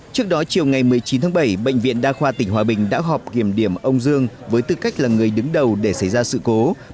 trước đó chiều ngày một mươi chín tháng bảy bệnh viện đa khoa tỉnh hòa bình đã họp kiểm điểm ông dương với tư cách là người đứng đầu để xảy ra sự cố